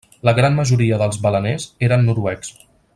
La gran majoria dels baleners eren noruecs.